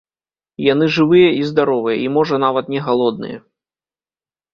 Яны жывыя і здаровыя, і можа нават не галодныя.